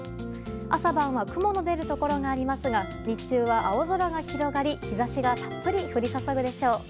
朝晩は雲の出るところがありますが日中は青空が広がり、日差しがたっぷり降り注ぐでしょう。